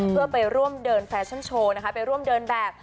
เพื่อไปร่วมเดินแฟชั่นโชว์นะคะไปร่วมเดินแบบ